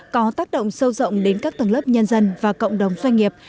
có tác động sâu rộng đến các tầng lớp nhân dân và cộng đồng doanh nghiệp